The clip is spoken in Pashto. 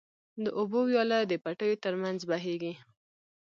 د اوبو وياله د پټيو تر منځ بهيږي.